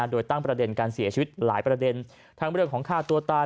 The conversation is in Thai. โดยตั้งประเด็นการเสียชีวิตหลายประเด็นทั้งเรื่องของฆ่าตัวตาย